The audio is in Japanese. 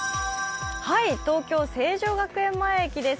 東京・成城学園前駅です。